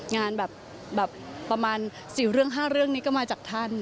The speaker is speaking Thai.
งานแบบประมาณ๔เรื่อง๕เรื่องนี้ก็มาจากท่าน